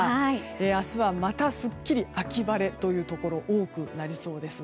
明日はまたすっきり秋晴れというところが多くなりそうです。